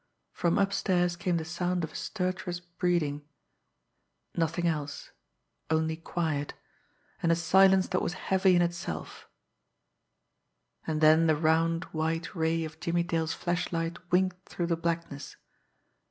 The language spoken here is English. From upstairs came the sound of stertorous breathing, nothing else, only quiet, and a silence that was heavy in itself and then the round, white ray of Jimmie Dale's flashlight winked through the blackness.